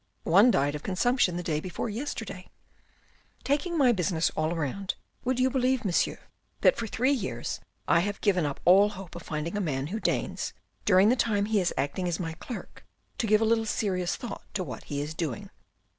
One died of consumption the day before yesterday. Taking my business all round, would you believe, monsieur, that for three years I have given up all hope of finding a man who deigns, during the time he is acting as my clerk, to give a little serious thought to what he is doing.